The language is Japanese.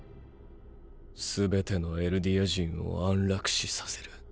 すべてのエルディア人を安楽死させる。